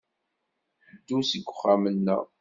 Ddu seg wexxam-nneɣ.